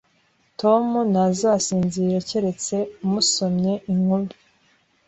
Tom ntazasinzira keretse umusomye inkuru